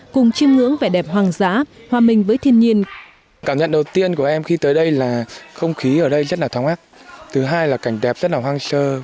cùng chim ngưỡng vẻ đẹp hoàng giá hòa minh với thiên nhiên